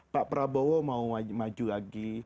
pak prabowo mau maju lagi